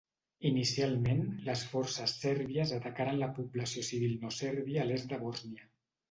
Inicialment, les forces sèrbies atacaren la població civil no sèrbia a l'est de Bòsnia.